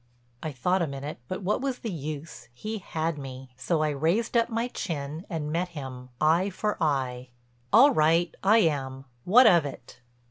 I thought a minute but what was the use, he had me. So I raised up my chin and met him, eye for eye: "All right, I am. What of it?"